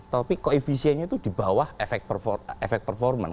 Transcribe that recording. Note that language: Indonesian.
tapi koefisiennya itu di bawah efek performance